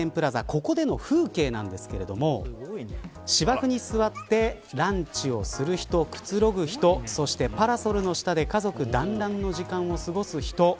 ここでの風景なんですけれども芝生に座ってランチをする人くつろぐ人そして、パラソルの下で家族だんらんの時間を過ごす人